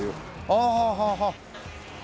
ああああはあはあ。